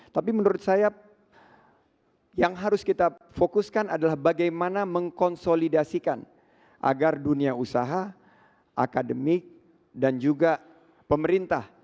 tapi menurut saya yang harus kita fokuskan adalah bagaimana mengkonsolidasikan agar dunia usaha akademik dan juga pemerintah